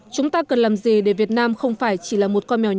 chúng ta cần làm gì để việt nam không phải chỉ là một con mèo